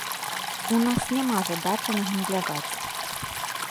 У нас няма задачы нагандляваць.